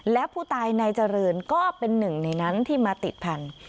และผู้ตายนายเจริญก็เป็นหนึ่งในนั้นที่มาติดพันธุ